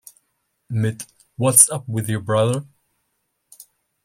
Mit "What’s Up With Your Brother?